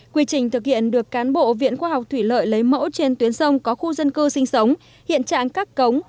quy trình thực hiện được cán bộ viện khoa học thủy lợi lấy mẫu trên tuyến sông có khu dân cư sinh sống hiện trạng các cống